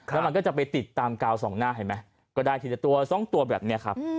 แล้วมันก็จะไปติดตามกาวสองหน้าเห็นไหมก็ได้ทีละตัว๒ตัวแบบนี้ครับ